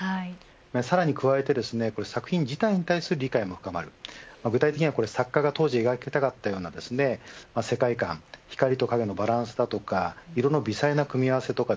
さらに加えて作品自体に対する理解も深まる具体的には作家が描いた世界観光と影のバランスや色の微細な組み合わせ